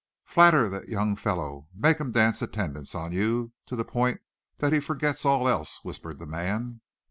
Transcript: "Flatter the young fellow! Make him dance attendance on you to the point that he forgets all else," whispered the man.